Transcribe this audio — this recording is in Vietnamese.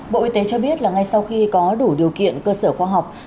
bộ y tế cho biết là ngay sau khi có đủ điều kiện cơ sở khoa học